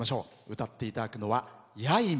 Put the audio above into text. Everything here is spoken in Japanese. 歌っていただくのは「やいま」。